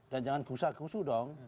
dan jangan kusah kusuh